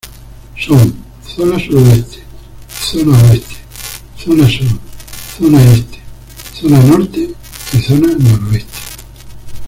Son: Zona Sudoeste, Zona Oeste, Zona Sur, Zona Este, Zona Norte y Zona Noroeste.